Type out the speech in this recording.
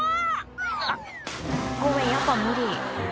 「あっごめんやっぱ無理」